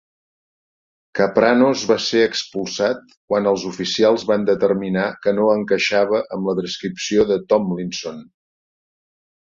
Kapranos va ser expulsat quan els oficials van determinar que no encaixava amb la descripció de Tomlinson.